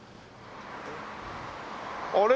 あれ？